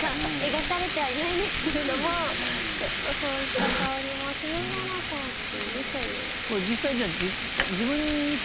描かれてはいないんですけれどもちょっとそういった香りもしながら帰っているという。